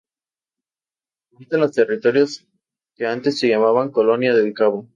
Habita en los territorios que antes se llamaban Colonia del Cabo.